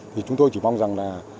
thì chúng tôi chỉ mong rằng là